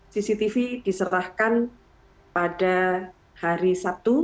cctv diserahkan pada hari sabtu